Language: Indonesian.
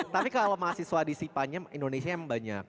tapi kalau mahasiswa di sipa nya indonesia emang banyak